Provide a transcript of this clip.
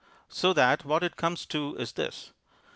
"So that what it comes to is this.